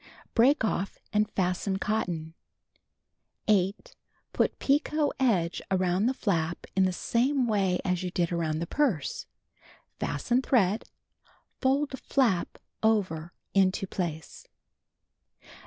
Break off and fasten cotton. 8. Put picot edge around the flap in the same way as you did around the purse. Fasten thread. Fold flap over into place.